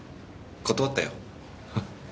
断ったよ。